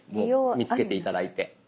見つけて頂いて。